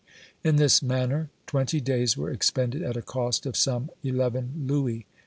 In this manner twenty days were expended at a cost of some eleven louis.